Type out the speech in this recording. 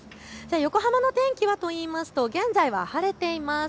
横浜の天気はというと現在は晴れています。